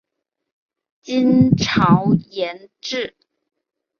金朝沿置。